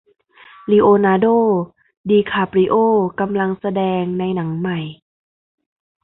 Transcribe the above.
ลีโอนาโด้ดีคาปริโอ้กำลังแสดงในหนังใหม่